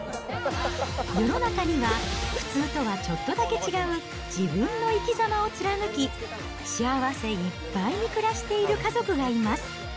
世の中には、普通とはちょっとだけ違う自分の生きざまを貫き、幸せいっぱいに暮らしている家族がいます。